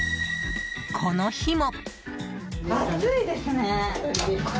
この日も。